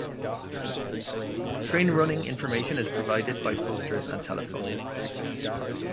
Train running information is provided by posters and telephone.